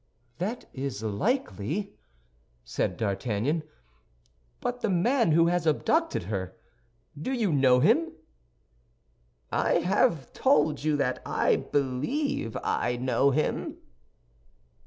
"That is likely," said D'Artagnan; "but the man who has abducted her—do you know him?" "I have told you that I believe I know him."